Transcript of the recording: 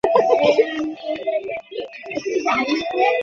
সন্ত্রাসীরা চলে যাওয়ার সময় তাঁর গোয়াল থেকে একটি গরু নিয়ে যায়।